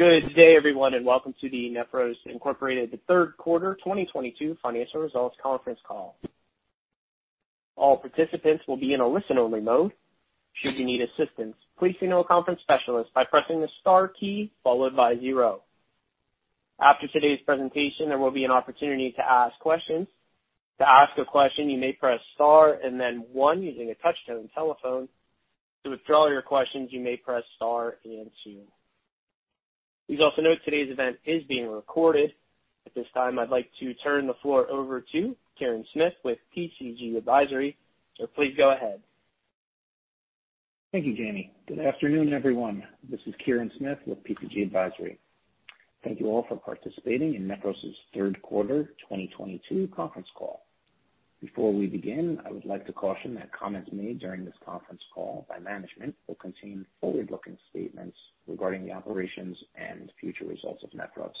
Good day, everyone, and welcome to the Nephros Incorporated Q3 2022 Financial Results Conference Call. All participants will be in a listen-only mode. Should you need assistance, please signal a conference specialist by pressing the star key followed by zero. After today's presentation, there will be an opportunity to ask questions. To ask a question, you may press star and then one using a touch-tone telephone. To withdraw your questions, you may press star and two. Please also note today's event is being recorded. At this time, I'd like to turn the floor over to Kirin Smith with PCG Advisory. Please go ahead. Thank you, Jamie. Good afternoon, everyone. This is Kirin Smith with PCG Advisory Group. Thank you all for participating in Nephros' Q3 2022 Conference Call. Before we begin, I would like to caution that comments made during this conference call by management will contain forward-looking statements regarding the operations and future results of Nephros.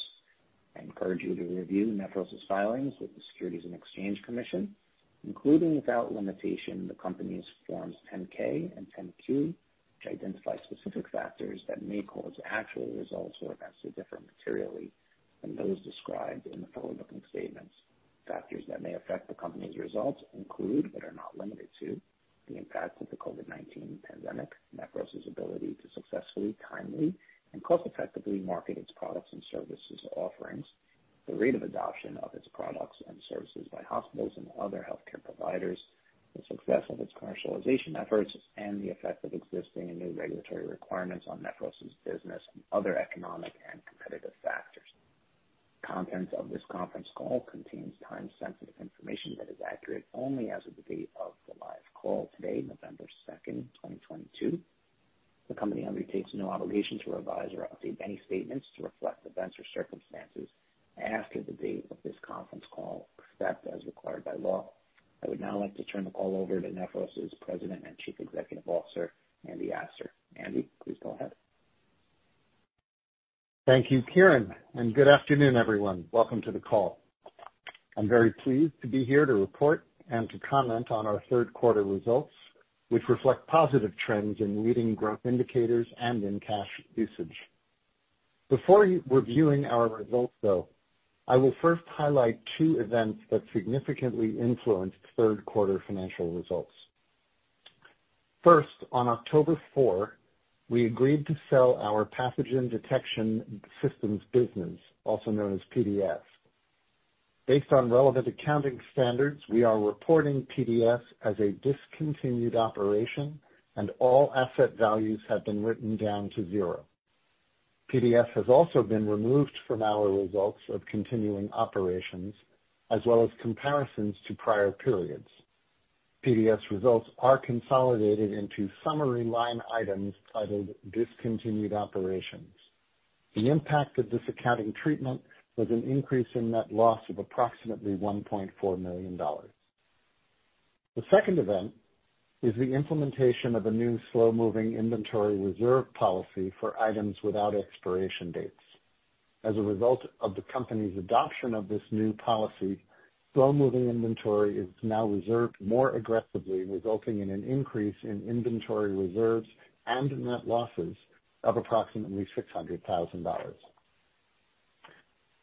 I encourage you to review Nephros' filings with the Securities and Exchange Commission, including without limitation, the company's Forms 10-K and 10-Q, which identify specific factors that may cause actual results or events to differ materially from those described in the forward-looking statements. Factors that may affect the company's results include, but are not limited to, the impacts of the COVID-19 pandemic, Nephros' ability to successfully, timely, and cost-effectively market its products and services offerings, the rate of adoption of its products and services by hospitals and other healthcare providers, the success of its commercialization efforts, and the effect of existing and new regulatory requirements on Nephros' business and other economic and competitive factors. Contents of this conference call contains time-sensitive information that is accurate only as of the date of the live call today, November 2, 2022. The company undertakes no obligation to revise or update any statements to reflect events or circumstances after the date of this conference call, except as required by law. I would now like to turn the call over to Nephros' President and Chief Executive Officer, Andy Astor. Andy, please go ahead. Thank you, Kieran, and good afternoon, everyone. Welcome to the call. I'm very pleased to be here to report and to comment on our Q3 results, which reflect positive trends in leading growth indicators and in cash usage. Before reviewing our results, though, I will first highlight two events that significantly influenced Q3 financial results. First, on October 4, we agreed to sell our Pathogen Detection Systems business, also known as PDS. Based on relevant accounting standards, we are reporting PDS as a discontinued operation, and all asset values have been written down to zero. PDS has also been removed from our results of continuing operations, as well as comparisons to prior periods. PDS results are consolidated into summary line items titled Discontinued Operations. The impact of this accounting treatment was an increase in net loss of approximately $1.4 million. The second event is the implementation of a new slow-moving inventory reserve policy for items without expiration dates. As a result of the company's adoption of this new policy, slow-moving inventory is now reserved more aggressively, resulting in an increase in inventory reserves and in net losses of approximately $600,000.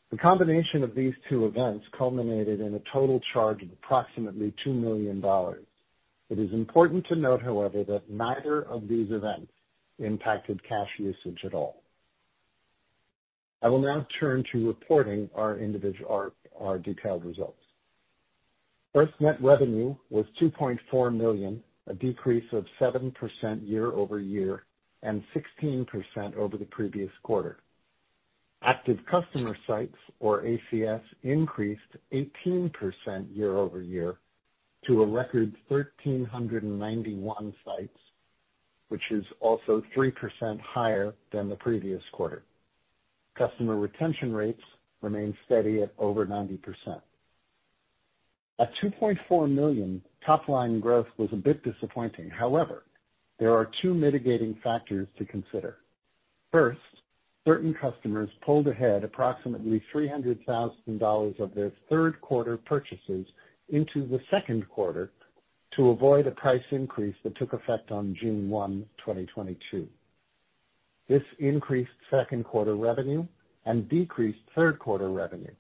The combination of these two events culminated in a total charge of approximately $2 million. It is important to note, however, that neither of these events impacted cash usage at all. I will now turn to reporting our detailed results. First, net revenue was $2.4 million, a decrease of 7% year over year and 16% over the previous quarter. Active customer sites, or ACS, increased 18% year over year to a record 1,391 sites, which is also 3% higher than the previous quarter. Customer retention rates remain steady at over 90%. At $2.4 million, top-line growth was a bit disappointing. However, there are two mitigating factors to consider. First, certain customers pulled ahead approximately $300,000 of their Q3 purchases into the Q2 to avoid a price increase that took effect on June 1, 2022. This increased Q2 revenue and decreased Q3 revenue.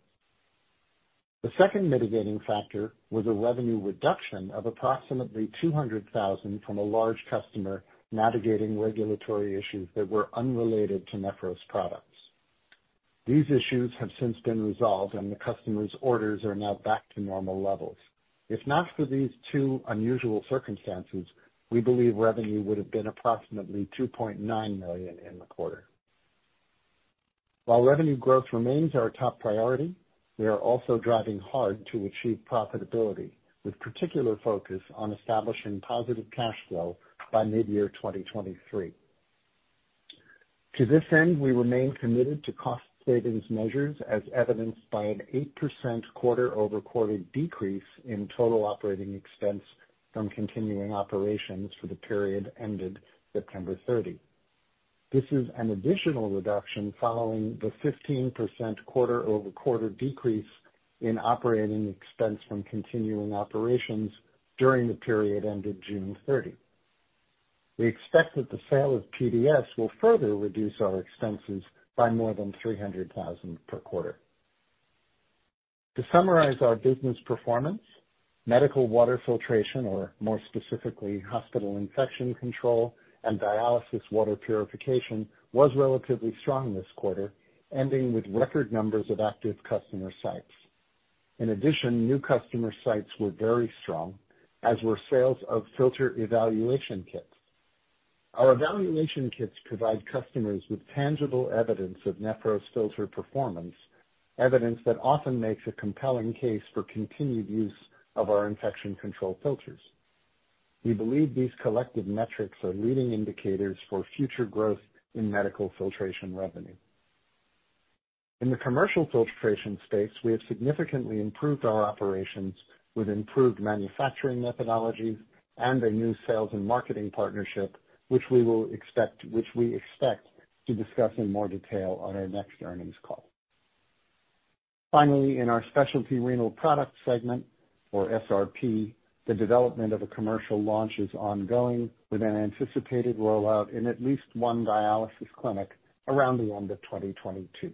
The second mitigating factor was a revenue reduction of approximately $200,000 from a large customer navigating regulatory issues that were unrelated to Nephros products. These issues have since been resolved, and the customer's orders are now back to normal levels. If not for these two unusual circumstances, we believe revenue would have been approximately $2.9 million in the quarter. While revenue growth remains our top priority, we are also driving hard to achieve profitability, with particular focus on establishing positive cash flow by mid-2023. To this end, we remain committed to cost savings measures, as evidenced by an 8% quarter-over-quarter decrease in total operating expense from continuing operations for the period ended September 30. This is an additional reduction following the 15% quarter-over-quarter decrease in operating expense from continuing operations during the period ended June 30. We expect that the sale of PDS will further reduce our expenses by more than $300,000 per quarter. To summarize our business performance, medical water filtration, or more specifically, hospital infection control and dialysis water purification, was relatively strong this quarter, ending with record numbers of active customer sites. In addition, new customer sites were very strong, as were sales of filter evaluation kits. Our evaluation kits provide customers with tangible evidence of Nephros filter performance, evidence that often makes a compelling case for continued use of our infection control filters. We believe these collective metrics are leading indicators for future growth in medical filtration revenue. In the commercial filtration space, we have significantly improved our operations with improved manufacturing methodologies and a new sales and marketing partnership, which we expect to discuss in more detail on our next earnings call. Finally, in our specialty renal product segment, or SRP, the development of a commercial launch is ongoing with an anticipated rollout in at least one dialysis clinic around the end of 2022.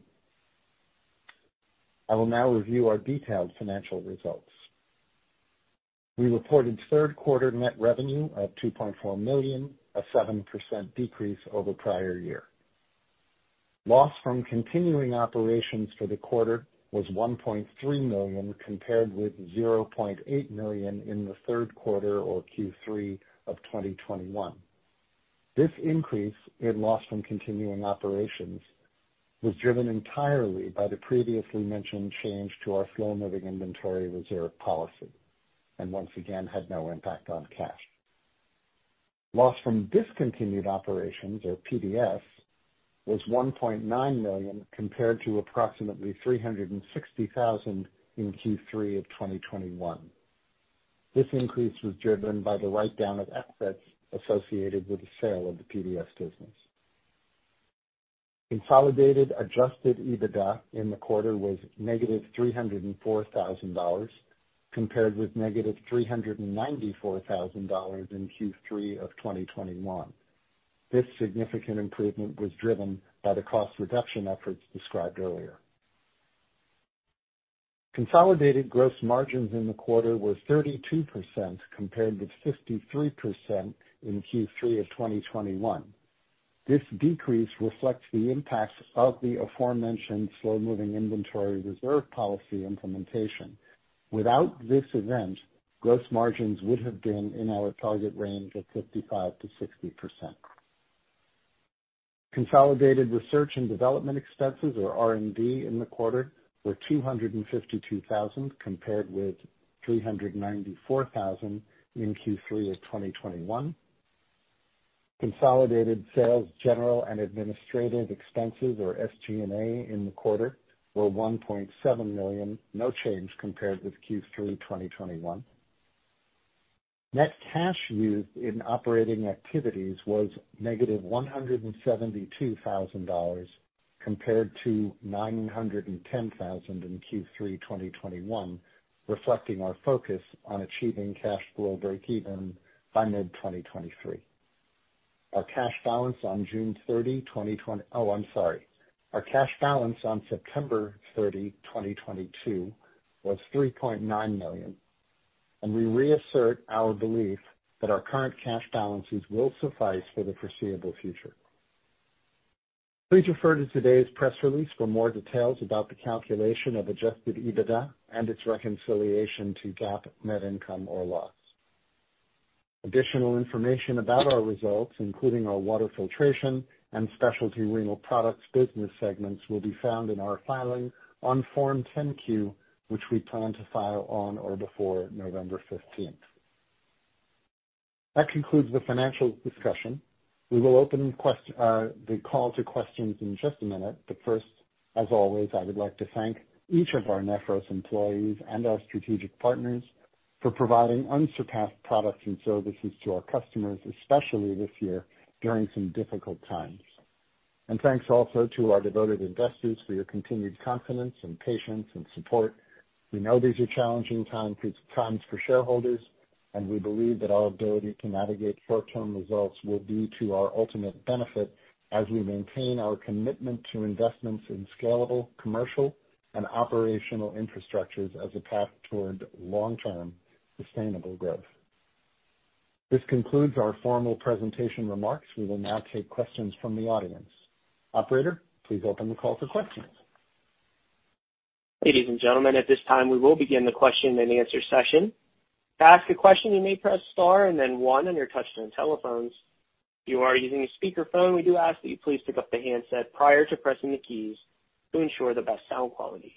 I will now review our detailed financial results. We reported Q3 net revenue of $2.4 million, a 7% decrease over prior year. Loss from continuing operations for the quarter was $1.3 million, compared with $0.8 million in the Q3 or Q3 of 2021. This increase in loss from continuing operations was driven entirely by the previously mentioned change to our slow-moving inventory reserve policy and once again had no impact on cash. Loss from discontinued operations, or PDS, was $1.9 million, compared to approximately $360,000 in Q3 of 2021. This increase was driven by the write-down of assets associated with the sale of the PDS business. Consolidated adjusted EBITDA in the quarter was -$304,000, compared with -$394,000 in Q3 of 2021. This significant improvement was driven by the cost reduction efforts described earlier. Consolidated gross margins in the quarter were 32% compared with 53% in Q3 of 2021. This decrease reflects the impact of the aforementioned slow-moving inventory reserve policy implementation. Without this event, gross margins would have been in our target range of 55%-60%. Consolidated research and development expenses, or R&D, in the quarter, were $252,000, compared with $394,000 in Q3 of 2021. Consolidated sales, general and administrative expenses, or SG&A, in the quarter, were $1.7 million. No change compared with Q3 2021. Net cash used in operating activities was -$172,000, compared to $910,000 in Q3 2021, reflecting our focus on achieving cash flow breakeven by mid-2023. Our cash balance on June 30, 2022. Our cash balance on September 30, 2022, was $3.9 million, and we reassert our belief that our current cash balances will suffice for the foreseeable future. Please refer to today's press release for more details about the calculation of adjusted EBITDA and its reconciliation to GAAP net income or loss. Additional information about our results, including our water filtration and specialty renal products business segments, will be found in our filing on Form 10-Q, which we plan to file on or before November 15. That concludes the financial discussion. We will open the call to questions in just a minute, but first, as always, I would like to thank each of our Nephros employees and our strategic partners for providing unsurpassed products and services to our customers, especially this year, during some difficult times. Thanks also to our devoted investors for your continued confidence and patience and support. We know these are challenging times for shareholders, and we believe that our ability to navigate short-term results will be to our ultimate benefit as we maintain our commitment to investments in scalable, commercial, and operational infrastructures as a path toward long-term sustainable growth. This concludes our formal presentation remarks. We will now take questions from the audience. Operator, please open the call for questions. Ladies and gentlemen, at this time, we will begin the question and answer session. To ask a question, you may press star and then one on your touchtone telephones. If you are using a speakerphone, we do ask that you please pick up the handset prior to pressing the keys to ensure the best sound quality.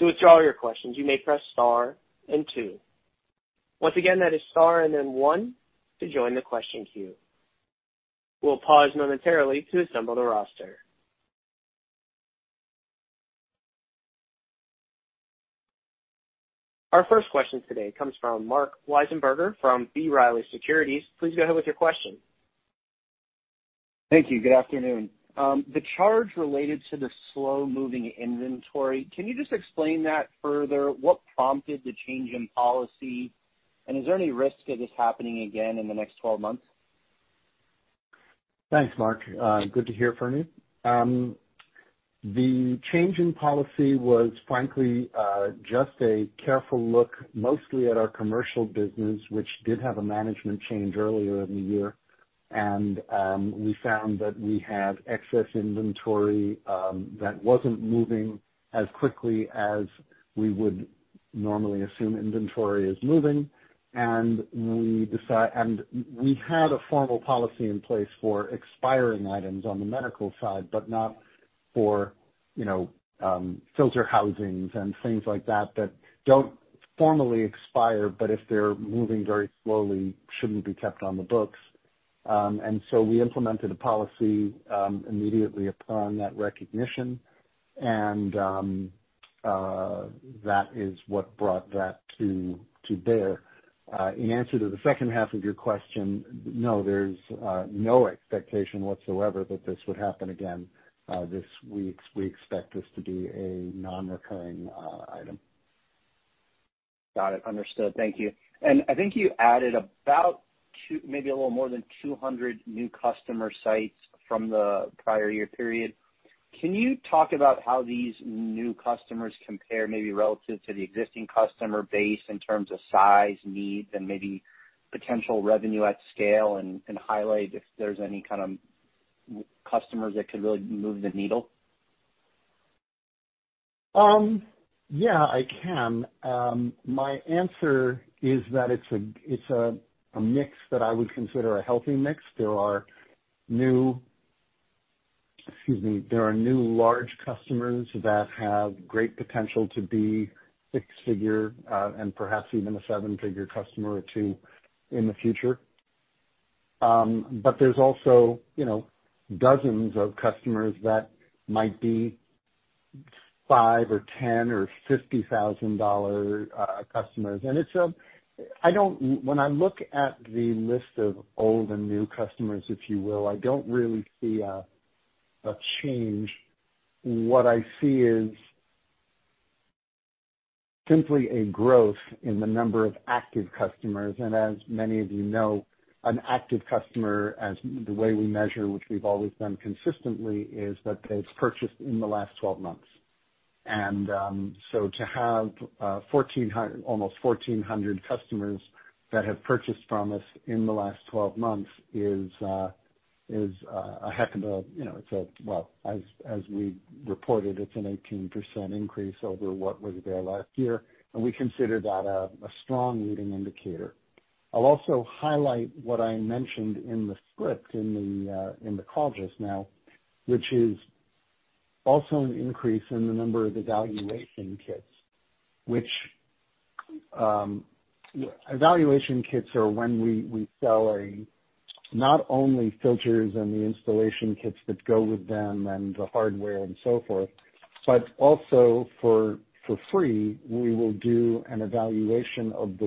To withdraw your questions, you may press star and two. Once again, that is star and then one to join the question queue. We'll pause momentarily to assemble the roster. Our first question today comes from Mark Weisenberger from B. Riley Securities. Please go ahead with your question. Thank you. Good afternoon. The charge related to the slow-moving inventory, can you just explain that further? What prompted the change in policy? Is there any risk of this happening again in the next 12 months? Thanks, Mark. Good to hear from you. The change in policy was frankly just a careful look, mostly at our commercial business, which did have a management change earlier in the year. We found that we had excess inventory that wasn't moving as quickly as we would normally assume inventory is moving. We had a formal policy in place for expiring items on the medical side, but not for, you know, filter housings and things like that don't formally expire, but if they're moving very slowly, shouldn't be kept on the books. We implemented a policy immediately upon that recognition, and that is what brought that to bear. In answer to the second half of your question, no, there's no expectation whatsoever that this would happen again this week. We expect this to be a non-recurring item. Got it. Understood. Thank you. I think you added about two, maybe a little more than 200 new customer sites from the prior year period. Can you talk about how these new customers compare maybe relative to the existing customer base in terms of size, needs, and maybe potential revenue at scale, and highlight if there's any kind of customers that could really move the needle? Yeah, I can. My answer is that it's a mix that I would consider a healthy mix. There are new large customers that have great potential to be six-figure and perhaps even a seven-figure customer or two in the future. But there's also, you know, dozens of customers that might be $5,000 or $10,000 or $50,000 customers. When I look at the list of old and new customers, if you will, I don't really see a change. What I see is simply a growth in the number of active customers. As many of you know, an active customer, as the way we measure, which we've always done consistently, is that they've purchased in the last 12 months. To have almost 1,400 customers that have purchased from us in the last 12 months is a heck of a, you know, it's a. Well, as we reported, it's an 18% increase over what was there last year, and we consider that a strong leading indicator. I'll also highlight what I mentioned in the script in the call just now, which is also an increase in the number of evaluation kits. Evaluation kits are when we sell not only filters and the installation kits that go with them and the hardware and so forth, but also for free we will do an evaluation of the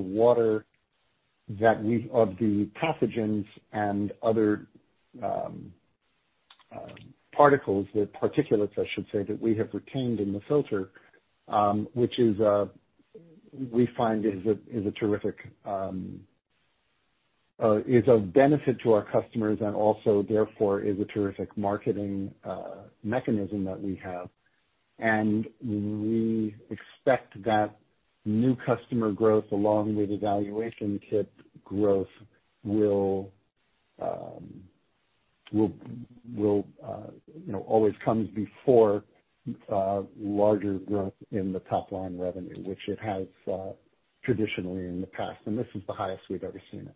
pathogens and other particles, the particulates I should say, that we have retained in the filter, which we find is of benefit to our customers and also therefore is a terrific marketing mechanism that we have. We expect that new customer growth along with evaluation kit growth will you know always comes before larger growth in the top line revenue, which it has traditionally in the past. This is the highest we've ever seen it.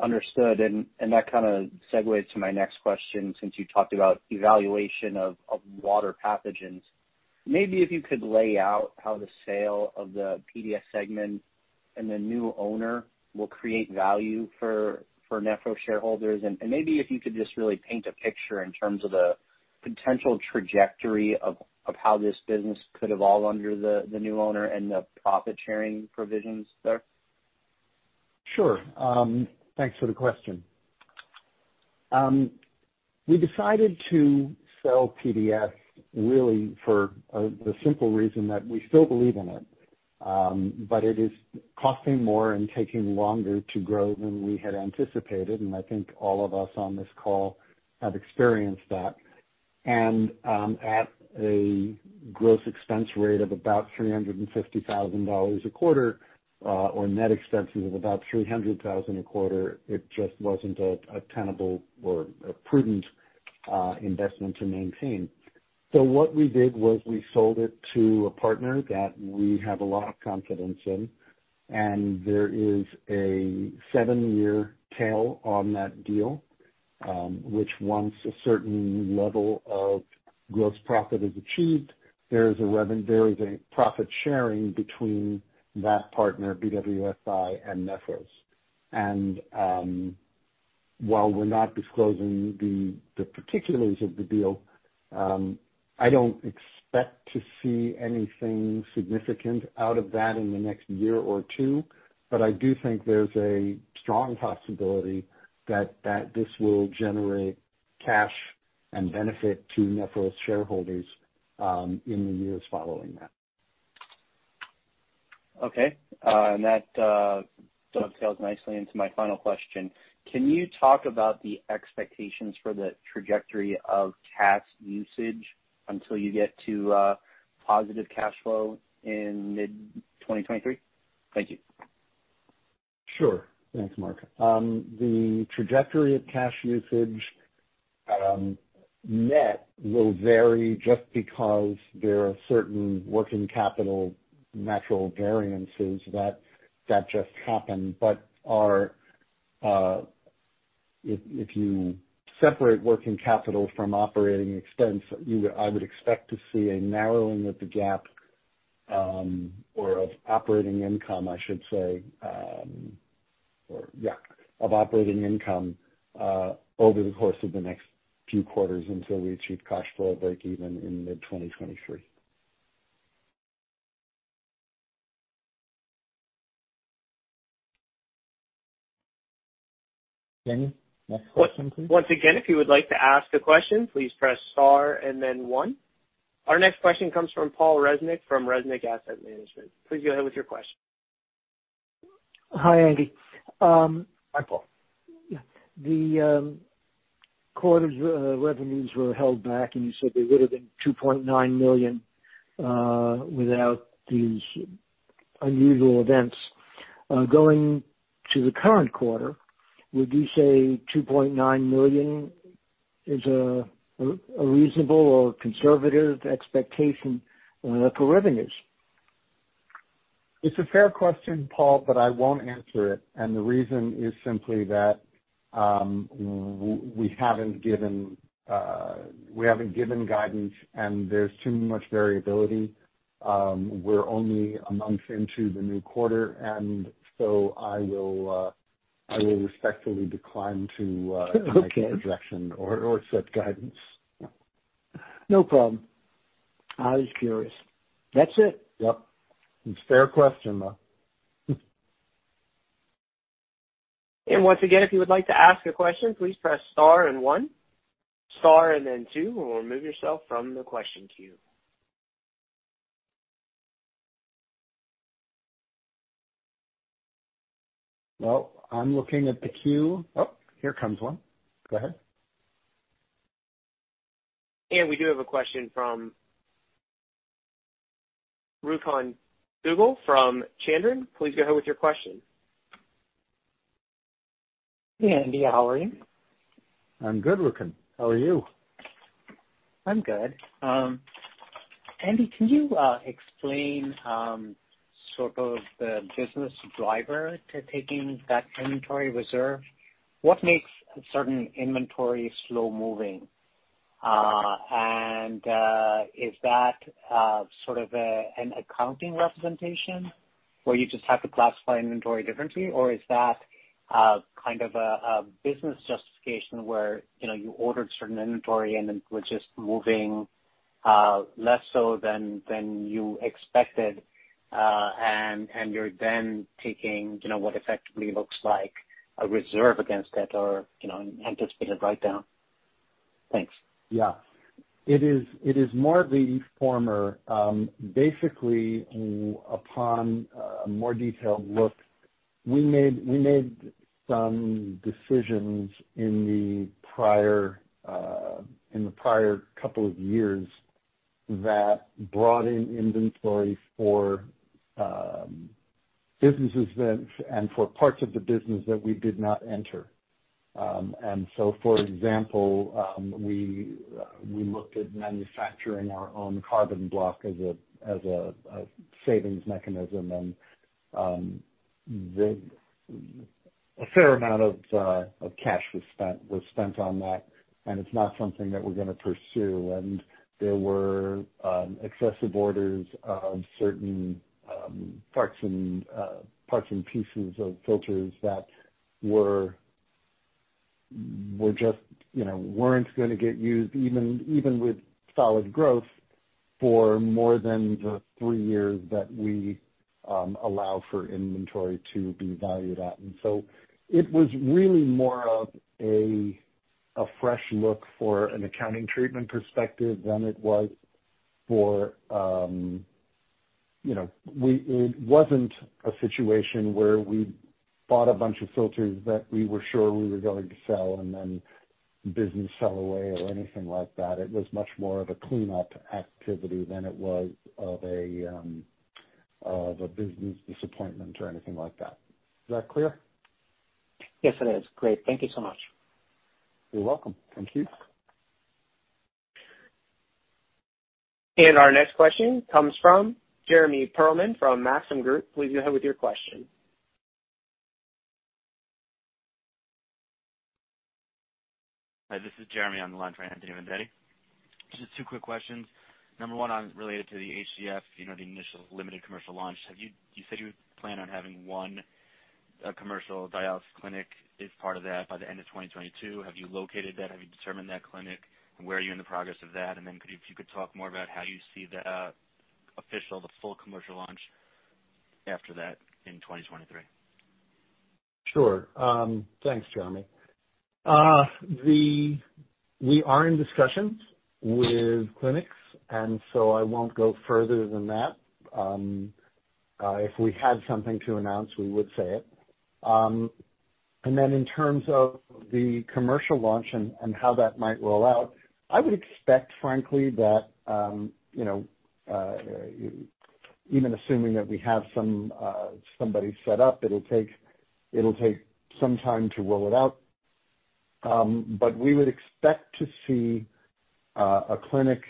Understood. That kinda segues to my next question since you talked about evaluation of water pathogens. Maybe if you could lay out how the sale of the PDS segment and the new owner will create value for Nephros shareholders. Maybe if you could just really paint a picture in terms of the potential trajectory of how this business could evolve under the new owner and the profit-sharing provisions there. Sure. Thanks for the question. We decided to sell PDS really for the simple reason that we still believe in it, but it is costing more and taking longer to grow than we had anticipated, and I think all of us on this call have experienced that. At a gross expense rate of about $350,000 a quarter, or net expenses of about $300,000 a quarter, it just wasn't a tenable or a prudent investment to maintain. What we did was we sold it to a partner that we have a lot of confidence in, and there is a seven-year tail on that deal, which once a certain level of gross profit is achieved, there is a profit sharing between that partner, BWSI and Nephros. While we're not disclosing the particulars of the deal, I don't expect to see anything significant out of that in the next year or two, but I do think there's a strong possibility that this will generate cash and benefit to Nephros's shareholders in the years following that. Okay. That dovetails nicely into my final question. Can you talk about the expectations for the trajectory of cash usage until you get to positive cash flow in mid-2023? Thank you. Sure. Thanks, Mark. The trajectory of cash usage, net will vary just because there are certain working capital natural variances that just happen, but if you separate working capital from operating expense, I would expect to see a narrowing of the gap or of operating income, I should say, over the course of the next few quarters until we achieve cash flow break even in mid-2023. Jamie, next question, please. Once again, if you would like to ask a question, please press star and then one. Our next question comes from Paul Resnik from Resnik Asset Management. Please go ahead with your question. Hi, Andy. Hi, Paul. Yeah. The quarter's revenues were held back, and you said they would have been $2.9 million without these unusual events. Going to the current quarter, would you say $2.9 million is a reasonable or conservative expectation for revenues? It's a fair question, Paul, but I won't answer it, and the reason is simply that we haven't given guidance, and there's too much variability. We're only a month into the new quarter, and so I will respectfully decline to Okay. Make a projection or set guidance. No problem. I was curious. That's it. Yep. It's a fair question though. Once again, if you would like to ask a question, please press star and one. Star and then two will remove yourself from the question queue. Well, I'm looking at the queue. Oh, here comes one. Go ahead. We do have a question from Rukun Duggal from Chandern. Please go ahead with your question. Hey, Andy. How are you? I'm good, Rukun. How are you? I'm good. Andy, can you explain sort of the business driver to taking that inventory reserve? What makes a certain inventory slow-moving? And is that sort of an accounting representation where you just have to classify inventory differently, or is that kind of a business justification where, you know, you ordered certain inventory and it was just moving less so than you expected, and you're then taking, you know, what effectively looks like a reserve against that or, you know, an anticipated write-down? Thanks. Yeah. It is more of the former. Basically, upon a more detailed look, we made some decisions in the prior couple of years that brought in inventory for businesses that and for parts of the business that we did not enter. For example, we looked at manufacturing our own carbon block as a savings mechanism, and a fair amount of cash was spent on that, and it's not something that we're gonna pursue. There were excessive orders of certain parts and pieces of filters that were just, you know, weren't gonna get used even with solid growth for more than the three years that we allow for inventory to be valued at. It was really more of a fresh look for an accounting treatment perspective than it was for, you know. It wasn't a situation where we bought a bunch of filters that we were sure we were going to sell and then business fell away or anything like that. It was much more of a cleanup activity than it was of a business disappointment or anything like that. Is that clear? Yes, it is. Great. Thank you so much. You're welcome. Thank you. Our next question comes from Jeremy Perlman from Maxim Group. Please go ahead with your question. Hi, this is Jeremy on the line for Anthony Vendetti. Just two quick questions. Number one related to the HDF, you know, the initial limited commercial launch. You said you plan on having one commercial dialysis clinic as part of that by the end of 2022. Have you located that? Have you determined that clinic? And where are you in the progress of that? And then could you, if you could talk more about how you see the official full commercial launch after that in 2023. Sure. Thanks, Jeremy. We are in discussions with clinics, and so I won't go further than that. If we had something to announce, we would say it. Then in terms of the commercial launch and how that might roll out, I would expect, frankly, that you know even assuming that we have somebody set up, it'll take some time to roll it out. We would expect to see a clinic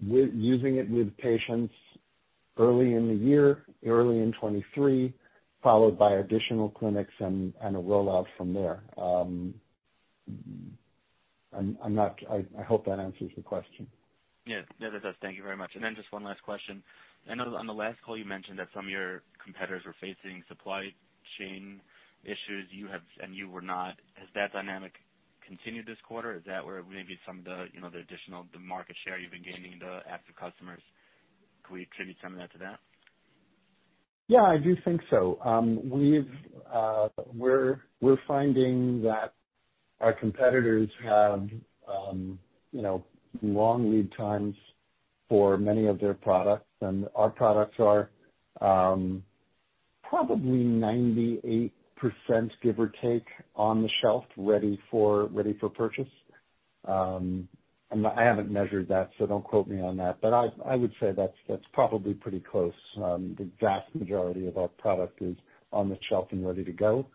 using it with patients early in the year, early in 2023, followed by additional clinics and a rollout from there. I hope that answers the question. Yes. Yeah, that does. Thank you very much. Just one last question. I know that on the last call you mentioned that some of your competitors were facing supply chain issues. You have, and you were not. Has that dynamic continued this quarter? Is that where maybe some of the, you know, the additional, the market share you've been gaining the active customers, can we attribute some of that to that? Yeah, I do think so. We're finding that our competitors have you know, long lead times for many of their products. Our products are probably 98%, give or take, on the shelf, ready for purchase. I haven't measured that, so don't quote me on that, but I would say that's probably pretty close. The vast majority of our product is on the shelf and ready to go.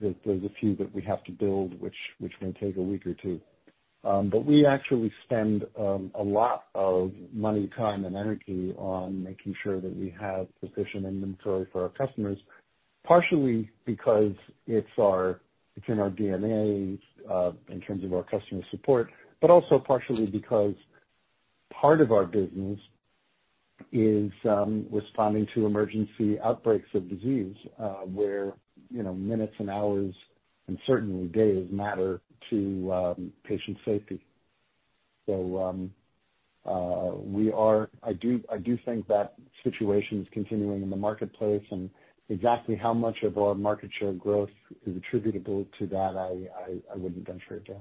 There's a few that we have to build, which may take a week or two. We actually spend a lot of money, time, and energy on making sure that we have sufficient inventory for our customers, partially because it's in our DNA in terms of our customer support, but also partially because part of our business is responding to emergency outbreaks of disease, where, you know, minutes and hours, and certainly days matter to patient safety. I think that situation is continuing in the marketplace and exactly how much of our market share growth is attributable to that, I wouldn't venture a guess.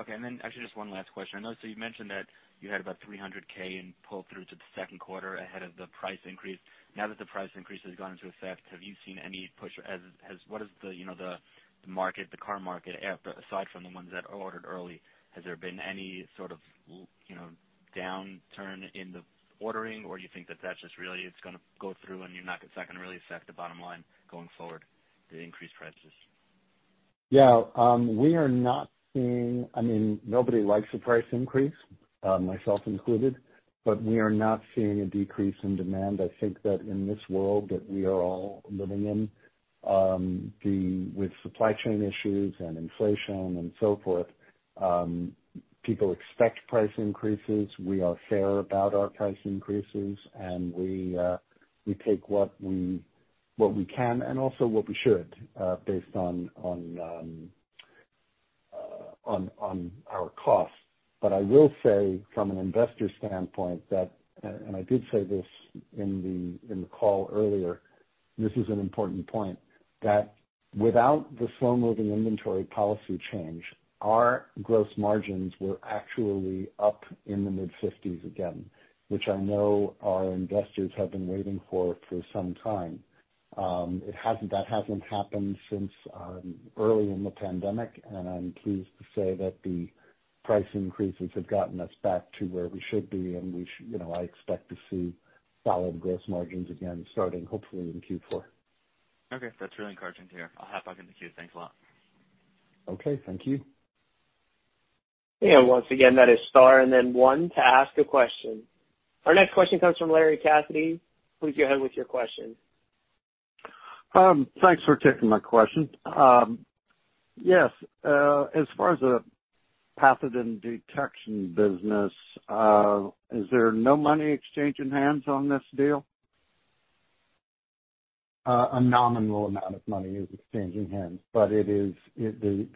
Okay. Actually just one last question. I know so you mentioned that you had about $300K in pull through to the Q2 ahead of the price increase. Now that the price increase has gone into effect, have you seen any pushback? What is the, you know, the market, the commercial market aside from the ones that are ordered early, has there been any sort of, you know, downturn in the ordering, or do you think that that's just really it's gonna go through and you're not gonna really affect the bottom line going forward, the increased prices? Yeah. We are not seeing. I mean, nobody likes a price increase, myself included, but we are not seeing a decrease in demand. I think that in this world that we are all living in, with supply chain issues and inflation and so forth, people expect price increases. We are fair about our price increases, and we take what we can and also what we should, based on our costs. I will say from an investor standpoint that I did say this in the call earlier, and this is an important point, that without the slow-moving inventory policy change, our gross margins were actually up in the mid-50s% again, which I know our investors have been waiting for some time. That hasn't happened since early in the pandemic, and I'm pleased to say that the price increases have gotten us back to where we should be, and you know, I expect to see solid gross margins again starting hopefully in Q4. Okay. That's really encouraging to hear. I'll hop back in the queue. Thanks a lot. Okay. Thank you. Once again, that is star and then one to ask a question. Our next question comes from Larry Cassidy. Please go ahead with your question. Thanks for taking my question. Yes, as far as the Pathogen Detection Systems, is there no money exchanging hands on this deal? A nominal amount of money is exchanging hands, but the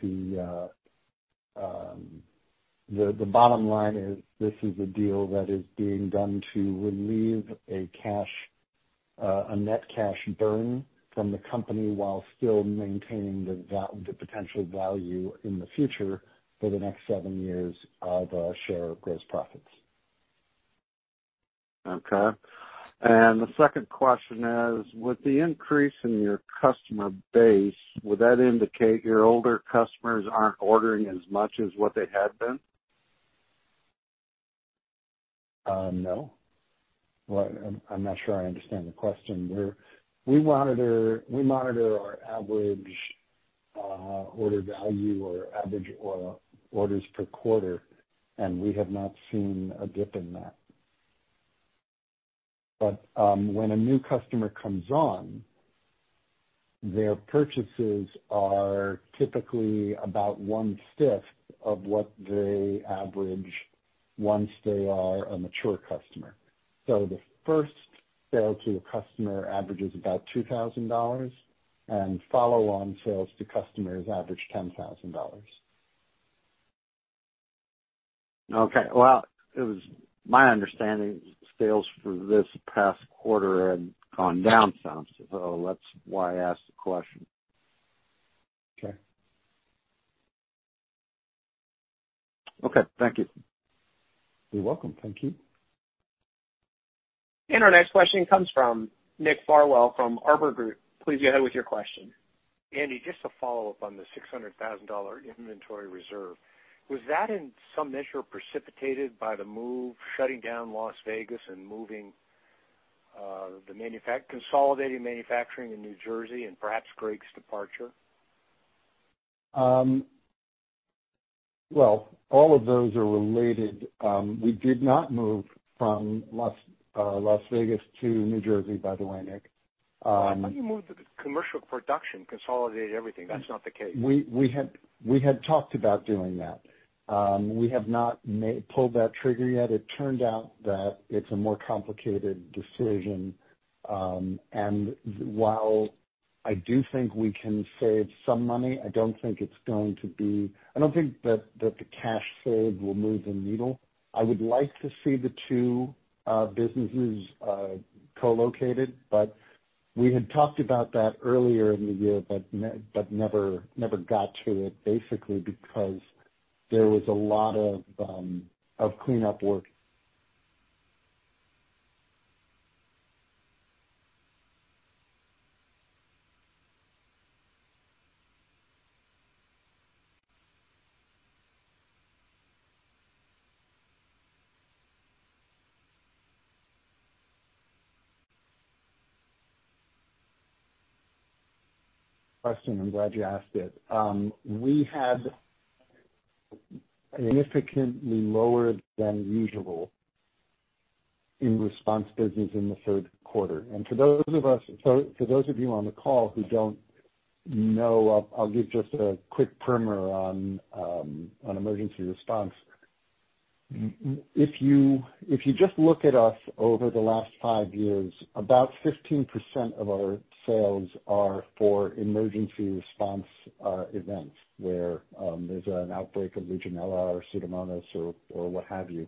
bottom line is this is a deal that is being done to relieve a net cash burn from the company while still maintaining the potential value in the future for the next seven years of our share of gross profits. Okay. The second question is, with the increase in your customer base, would that indicate your older customers aren't ordering as much as what they had been? No. Well, I'm not sure I understand the question. We monitor our average order value or average orders per quarter, and we have not seen a dip in that. When a new customer comes on, their purchases are typically about one-fifth of what they average once they are a mature customer. The first sale to a customer averages about $2,000, and follow-on sales to customers average $10,000. Okay. Well, it was my understanding sales for this past quarter had gone down some, so that's why I asked the question. Okay. Okay. Thank you. You're welcome. Thank you. Our next question comes from Nick Farwell from Barbour Group. Please go ahead with your question. Andy, just to follow up on the $600,000 inventory reserve, was that in some measure precipitated by the move shutting down Las Vegas and moving, consolidating manufacturing in New Jersey and perhaps Greg's departure? Well, all of those are related. We did not move from Las Vegas to New Jersey, by the way, Nick. I thought you moved the commercial production, consolidated everything. That's not the case. We had talked about doing that. We have not pulled that trigger yet. It turned out that it's a more complicated decision. While I do think we can save some money, I don't think it's going to be. I don't think that the cash save will move the needle. I would like to see the two businesses co-located, but we had talked about that earlier in the year, but never got to it, basically because there was a lot of cleanup work. Question. I'm glad you asked it. We had significantly lower than usual in response business in the Q3. For those of you on the call who don't know, I'll give just a quick primer on emergency response. If you just look at us over the last five years, about 15% of our sales are for emergency response events where there's an outbreak of Legionella or Pseudomonas or what have you.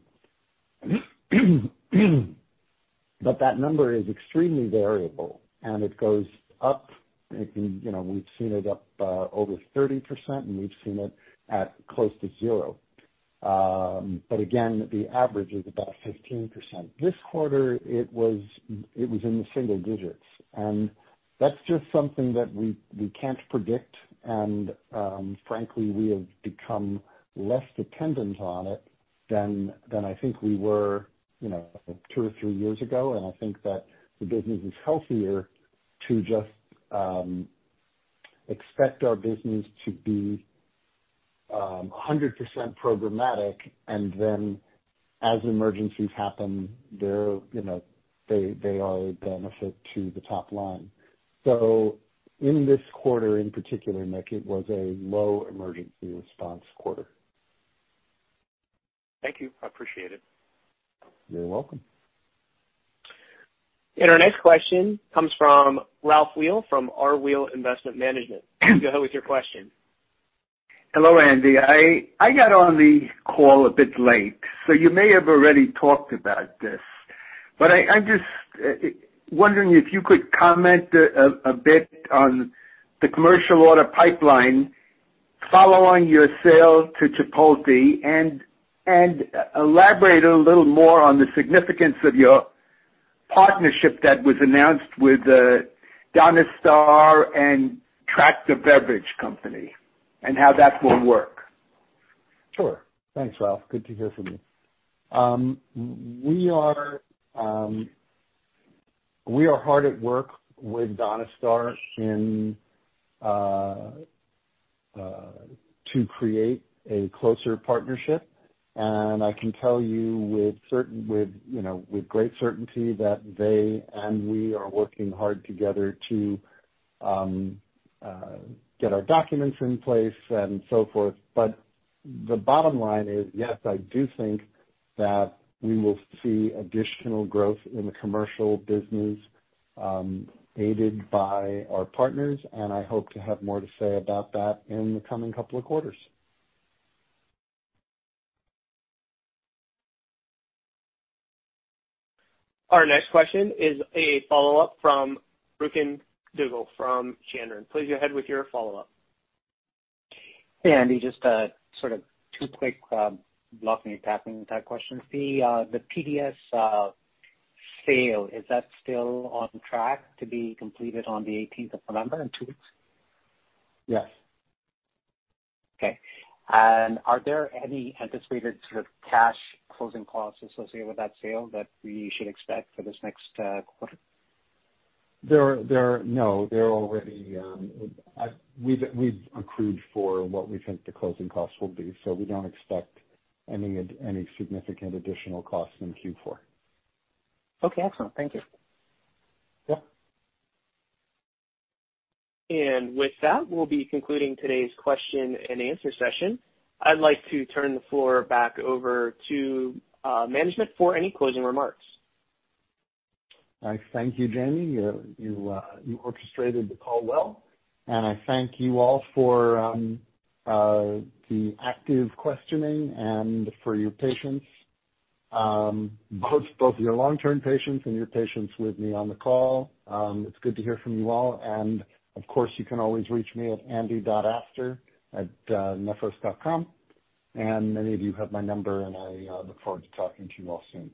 That number is extremely variable, and it goes up. It can, you know, we've seen it up over 30%, and we've seen it at close to zero. But again, the average is about 15%. This quarter it was in the single digits. That's just something that we can't predict. Frankly, we have become less dependent on it than I think we were, you know, two or three years ago. I think that the business is healthier to just expect our business to be 100% programmatic, and then as emergencies happen, they're, you know, a benefit to the top line. In this quarter, in particular, Nick, it was a low emergency response quarter. Thank you. I appreciate it. You're welcome. Our next question comes from Ralph Weil from R. Weil Investment Management. Go ahead with your question. Hello, Andy. I got on the call a bit late, so you may have already talked about this. I'm just wondering if you could comment a bit on the commercial order pipeline following your sale to Chipotle and elaborate a little more on the significance of your partnership that was announced with Donastar and Tractor Beverage Company and how that will work. Sure. Thanks, Ralph. Good to hear from you. We are hard at work with Donastar to create a closer partnership. I can tell you know, with great certainty that they and we are working hard together to get our documents in place and so forth. The bottom line is, yes, I do think that we will see additional growth in the commercial business, aided by our partners, and I hope to have more to say about that in the coming couple of quarters. Our next question is a follow-up from Rukun Duggal from Chandern. Please go ahead with your follow-up. Hey, Andy. Just a sort of two quick blocking and tackling type questions. The PDS sale, is that still on track to be completed on the eighteenth of November in two weeks? Yes. Okay. Are there any anticipated sort of cash closing costs associated with that sale that we should expect for this next quarter? No, they're already. We've accrued for what we think the closing costs will be, so we don't expect any significant additional costs in Q4. Okay. Excellent. Thank you. Yeah. With that, we'll be concluding today's question-and-answer session. I'd like to turn the floor back over to management for any closing remarks. I thank you, Jamie. You orchestrated the call well, and I thank you all for the active questioning and for your patience. Both your long-term patience and your patience with me on the call. It's good to hear from you all. Of course, you can always reach me at andy.astor@nephros.com. Many of you have my number, and I look forward to talking to you all soon.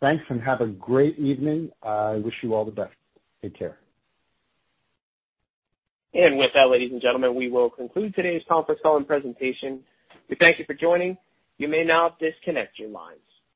Thanks, and have a great evening. I wish you all the best. Take care. With that, ladies and gentlemen, we will conclude today's conference call and presentation. We thank you for joining. You may now disconnect your lines.